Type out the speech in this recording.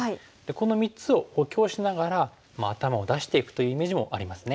この３つを補強しながら頭を出していくというイメージもありますね。